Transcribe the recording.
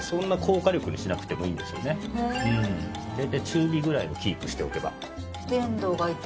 大体中火ぐらいでキープしておけば。